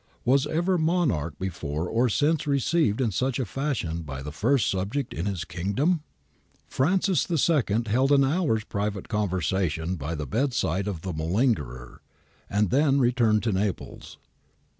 Was ever monarch before or since received in such fashion by the first subject in his kingdom ? Francis II held an hour's private conversation by the bedside of the malingerer, and then returned to Naples.